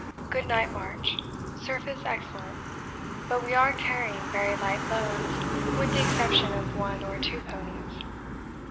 Good night march; surface excellent, but we are carrying very light loads with the exception of one or two ponies.